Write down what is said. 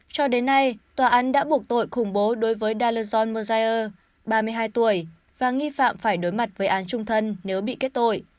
cho đến nay tòa án đã buộc tội khủng bố đối với dalazon mozaier ba mươi hai tuổi và nghi phạm phải đối mặt với án trung thân nếu bị kết tội